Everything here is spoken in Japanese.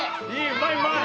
うまいうまい。